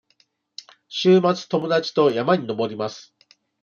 週末、友達と山に登ります。